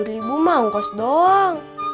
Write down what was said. sepuluh ribu mah ongkos doang